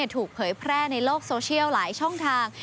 ถูกเผยแพร่ในโลกโซเชียลหลายช่องทาง